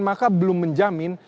maka belum menjamin